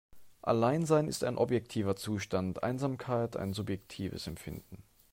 Alleinsein ist ein objektiver Zustand, Einsamkeit ein subjektives Empfinden.